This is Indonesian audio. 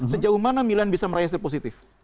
sejauh mana milan bisa meraihnya positif